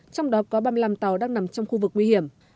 trong đó có ba mươi năm tàu đang nằm trong khu vực nguy hiểm